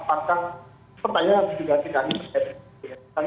tapi pertanyaan pertanyaan yang tidak diaktifkan